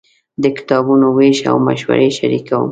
د کتابونو وېش او مشورې شریکوم.